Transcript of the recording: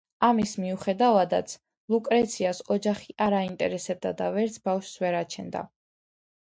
ამის მიუხედავადაც, ლუკრეციას ოჯახი არ აინტერესებდა და ვერც ბავშვს ვერ აჩენდა.